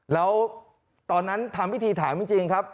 แล้วตอนนั้นทำพิธีถามจริงครับ